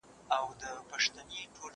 زه کولای سم شګه پاک کړم!!